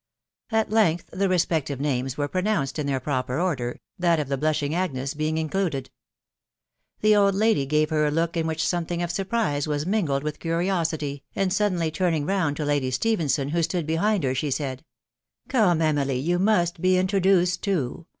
At length the respective names were pronounced in their proper order, that of the blushing Agnes being included. The old lady gave her a look in which something of surprise was mingled with curiosity, and suddenly turning round to Lady Stephenson who stood behind her, she said, —" Come, Emily, you must be introduced too.